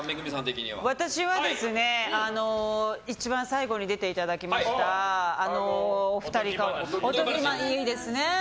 私は一番最後に出ていただきましたお二人が、いいですね。